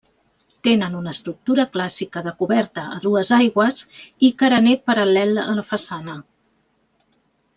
Tenen una estructura clàssica de coberta a dues aigües i carener paral·lel a la façana.